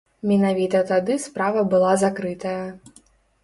Менавіта тады справа была закрытая.